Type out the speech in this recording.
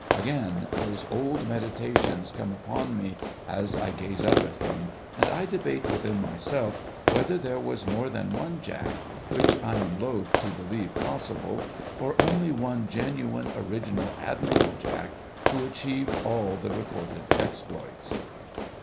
Again those old meditations come upon me as I gaze up at him ; and I debate within myself whether there was more than one Jack (which I am loth to believe possible), or only one genuine original admirable Jack, who achieved all the recorded exploits.